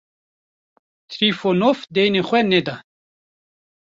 Trifonof deynê xwe neda.